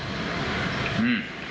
うん。